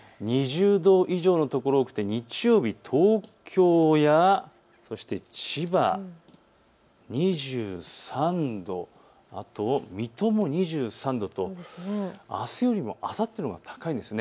２０度以上の所が多くて日曜日、東京や千葉、２３度あと水戸も２３度とあすよりもあさってのほうが高いんです。